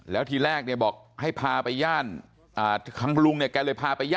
แล้วทีแรกบอกให้พาไปย่านครั้งลุงเลยพาไป